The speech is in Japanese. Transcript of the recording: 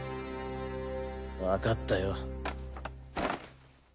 わかったよ。